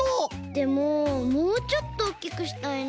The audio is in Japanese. でももうちょっとおっきくしたいな。